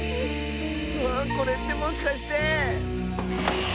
ああこれってもしかして。